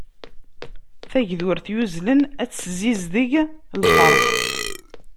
Tagdurt yuzlen ad tzizdeg lfert.